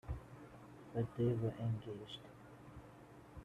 But they were engaged.